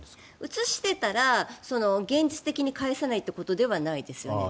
移していたら現実的に返せないということではないですよね。